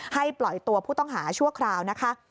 ปล่อยตัวผู้ต้องหาชั่วคราวนะคะ